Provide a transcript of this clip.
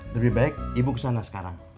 lebih baik ibu kesana sekarang